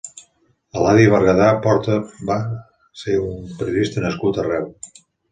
Eladi Bergadà Porta va ser un periodista nascut a Reus.